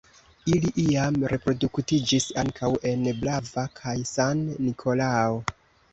Ili iam reproduktiĝis ankaŭ en Brava kaj San-Nikolao.